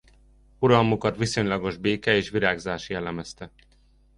Uralmukat viszonylagos béke és virágzás jellemezte.